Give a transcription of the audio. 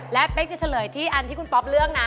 และเป๊กจะเฉลยที่อันที่คุณป๊อปเลือกนะ